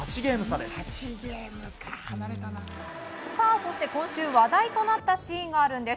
そして、今週話題となったシーンがあるんです。